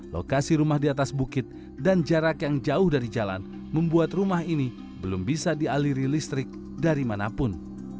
lokasi rumah di atas bukit dan jarak yang jauh dari jalan membuat rumah ini belum bisa dialiri listrik dari manapun